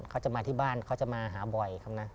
เขาจะมาที่บ้านเขาจะมาหาบ่อยครับนะ